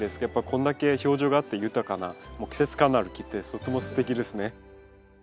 やっぱこんだけ表情があって豊かなもう季節感のある木ってとてもすてきですね。